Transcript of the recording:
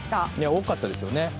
多かったですよね。